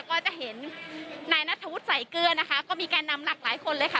ก็จะเห็นนายนัทธวุฒิสายเกลือนะคะก็มีแก่นำหลากหลายคนเลยค่ะ